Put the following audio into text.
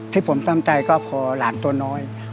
ที่ผมตั้งใจก็พอหลานตัวน้อย